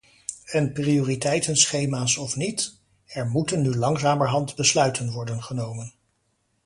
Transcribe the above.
En prioriteitenschema's of niet, er moeten nu langzamerhand besluiten worden genomen.